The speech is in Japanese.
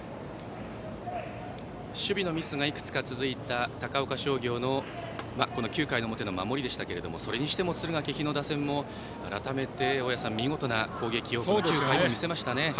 守備のミスがいくつか続いた高岡商業の９回表の守りでしたがそれにしても敦賀気比の打線も改めて、見事な攻撃を９回で見せましたね。